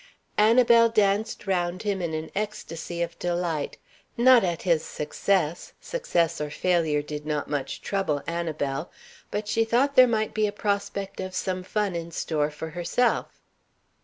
Annabel danced round him in an ecstasy of delight. Not at his success success or failure did not much trouble Annabel but she thought there might be a prospect of some fun in store for herself.